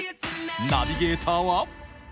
ナビゲーターは？